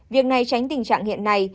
việc này tránh tình trạng hiện nay